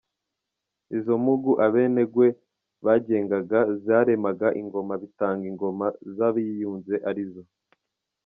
Izo mpugu Abenengwe bagengaga zaremaga ingoma bitaga ingoma z’abiyunze ari zo :.